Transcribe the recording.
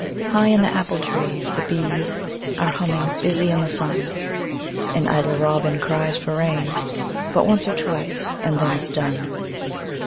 High in the apple trees the bees Are humming, busy in the sun, An idle robin cries for rain But once or twice and then is done.